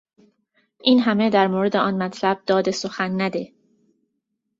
این همه در مورد آن مطلب داد سخن نده.